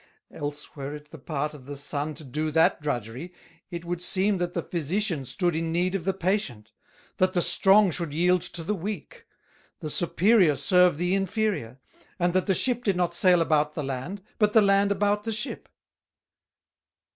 Else, were it the part of the Sun to do that drudgery, it would seem that the Physician stood in need of the Patient; that the Strong should yield to the Weak; the Superior serve the Inferior; and that the Ship did not sail about the Land, but the Land about the Ship.